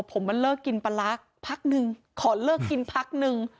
ผมมันเลิกกินปลาร้าพักนึงขอเลิกกินพักนึง